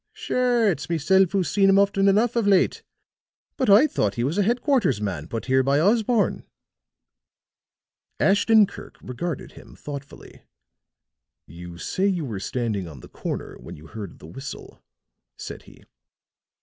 Sure, it's meself who's seen him often enough of late; but I thought he was a headquarters man put here by Osborne." Ashton Kirk regarded him thoughtfully. "You say you were standing on the corner when you heard the whistle," said he.